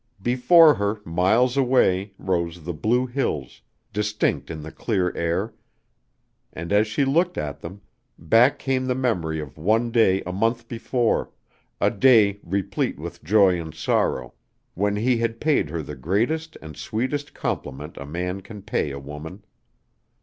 Before her, miles away, rose the Blue Hills, distinct in the clear air, and as she looked at them, back came the memory of one day a month before a day replete with joy and sorrow, when he had paid her the greatest and sweetest compliment a man can pay a woman.